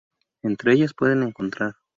Entre ellas puedes encontrar...